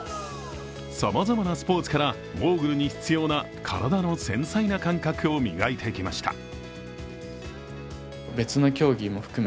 さまざまなスポーツからモーグルに必要な体の繊細な感覚を磨いてきました。